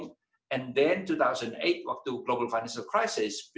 dan kemudian pada tahun dua ribu delapan waktu krisis keuangan global